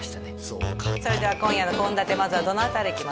それでは今夜の献立まずはどの辺りいきますか？